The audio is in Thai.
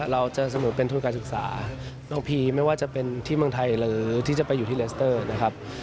เราจะเสมอเป็นทุนการศึกษาน้องพีไม่ว่าจะเป็นที่เมืองไทยหรือที่จะไปอยู่ที่เลสเตอร์นะครับ